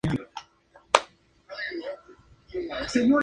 Su capital y ciudad más poblada es Bruselas.